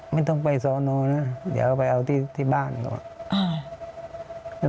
ไม่ต้องไปสอนอนะเดี๋ยวไปเอาที่บ้านก่อน